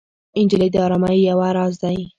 نجلۍ د ارامۍ یو راز دی.